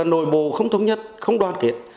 nội bộ không thống nhất không đoàn kết